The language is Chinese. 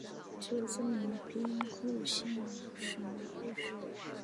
出身于兵库县神户市。